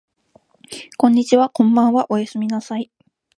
こんにちはこんばんはおやすみなさい